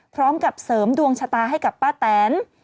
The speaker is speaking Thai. พร้อมกับเสริมดวงชะตาให้กับป้าแตน